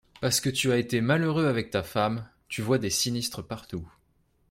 Parce que tu as été malheureux avec ta femme, tu vois des sinistres partout…